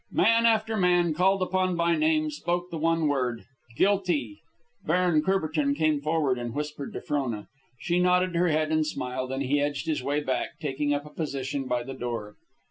Man after man, called upon by name, spoke the one word, "Guilty." Baron Courbertin came forward and whispered to Frona. She nodded her head and smiled, and he edged his way back, taking up a position by the door.